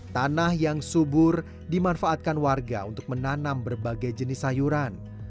tanah yang subur dimanfaatkan warga untuk menanam berbagai jenis sayuran